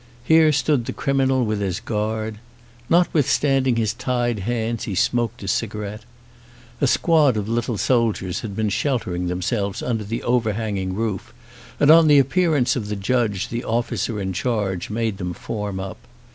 Here stood the criminal with his guard. Notwithstanding his tied hands he smoked a cigarette. A squad of little soldiers had been sheltering themselves under the overhanging roof, and on the appearance of the judge the offi cer in charge made them form up.